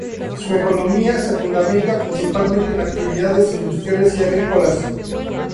Su economía se fundamenta principalmente en actividades industriales y agrícolas.